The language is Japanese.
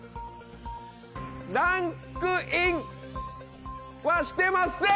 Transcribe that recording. ランクインはしてません！